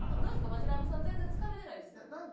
マヂラブさん全然つかめてないですよ。